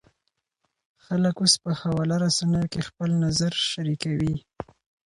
خلک اوس په خواله رسنیو کې خپل نظر شریکوي.